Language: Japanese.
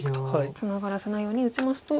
ツナがらせないように打ちますと。